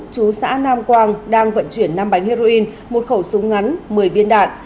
chú xã nam quang đang vận chuyển năm bánh heroin một khẩu súng ngắn một mươi viên đạn